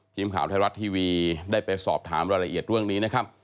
ทีมข่าวไทยรัฐทีวีได้ไปสอบถามรายละเอียดเรื่องนี้นะครับ